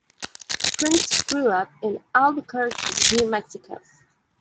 Prinze grew up in Albuquerque, New Mexico.